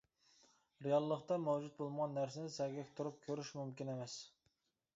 رېئاللىقتا مەۋجۇت بولمىغان نەرسىنى سەگەك تۇرۇپ كۆرۈش مۇمكىن ئەمەس.